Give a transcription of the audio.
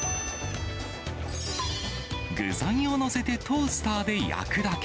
具材を載せてトースターで焼くだけ。